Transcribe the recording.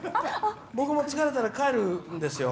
僕も疲れたら帰るんですよ。